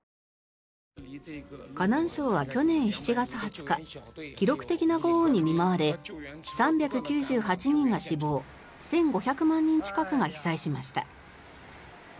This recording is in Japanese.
河南省は去年７月２０日記録的な豪雨に見舞われ３９８人が死亡１５００万人近くが被災しました。